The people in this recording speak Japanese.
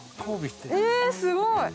えすごい！